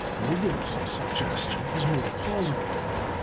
Vogel's suggestion is more plausible.